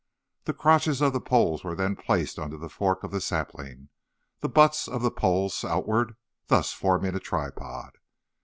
The crotches of the poles were then placed under the fork of the sapling, the butts of the poles outward, thus forming a tripod.